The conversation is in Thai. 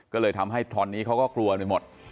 ก็เลยทำให้ตอนนี้เขาก็กลัวไปหมด